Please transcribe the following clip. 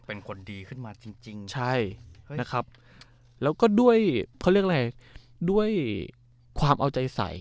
เป็นคนดีขึ้นมาจริงจริงใช่นะครับแล้วก็ด้วยเขาเรียกอะไรด้วยความเอาใจใส